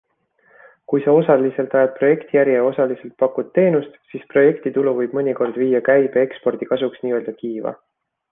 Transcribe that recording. Kui sa osaliselt ajad projektiäri ja osaliselt pakud teenust, siis projektitulu võib mõnikord viia käibe ekspordi kasuks n-ö kiiva.